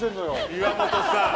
岩本さん